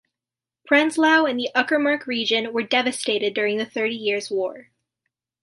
Prenzlau and the Uckermark region were devastated during the Thirty Years' War.